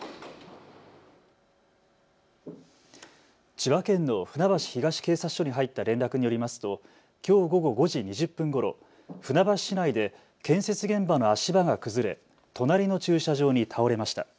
千葉県の船橋東警察署に入った連絡によりますと、きょう午後５時２０分ごろ船橋市内で建設現場の足場が崩れ隣の駐車場に倒れました。